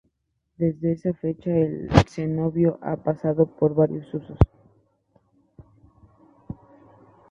Desde esa fecha, el cenobio ha pasado por varios usos.